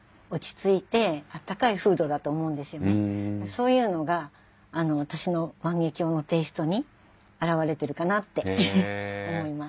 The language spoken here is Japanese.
そういうのが私の万華鏡のテイストに表れてるかなって思います。